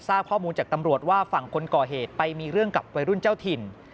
ทราบข้อมูลจากตำรวจว่าฝั่งคนก่อเหตุไปมีเรื่องกับวัยรุ่นเจ้าถิ่น